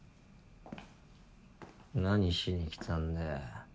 何しに来たんだよ。